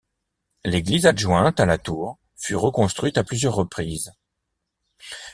L'église adjointe à la tour fut reconstruite à plusieurs reprises.